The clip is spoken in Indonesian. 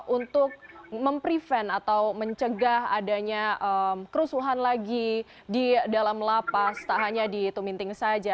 untuk memprevent atau mencegah adanya kerusuhan lagi di dalam lapas tak hanya di tuminting saja